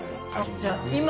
じゃあ今。